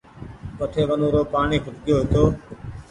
وٺي ونورو پآڻيٚ کٽگيو هيتو